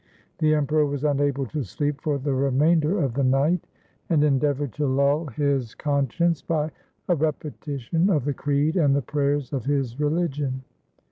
The Emperor was unable to sleep for the remainder of the night, and endeavoured to lull his conscience by a repetition of the creed and the prayers of his religion.